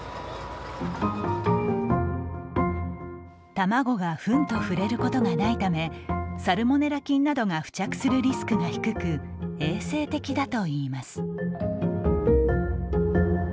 卵がフンと触れることがないためサルモネラ菌などが付着するリスクが低く衛生的だといいます。